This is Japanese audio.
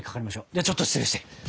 ではちょっと失礼して。